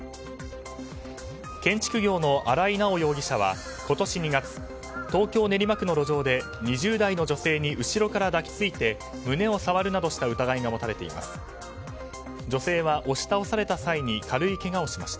建築業の荒井直容疑者は今年２月東京・練馬区の路上で２０代の女性に後ろから抱きついて胸を触るなどした疑いが持たれています。